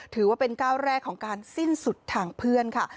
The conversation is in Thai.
ถือว่าเป็นก้าวแรกของการสิ้นสุดทางเพื่อนค่ะ